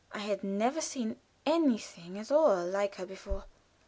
I had never seen anything at all like her before.